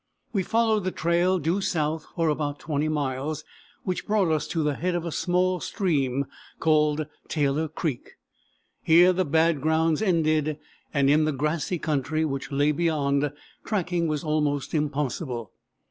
We followed the trail due south for about 20 miles, which brought us to the head of a small stream called Taylor Creek. Here the bad grounds ended, and in the grassy country which lay beyond, tracking was almost impossible.